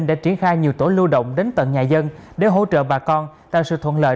quá nhiệt tình rồi